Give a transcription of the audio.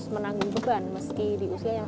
menanggung juga meski di usia yang